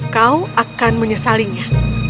kau akan menyesalinya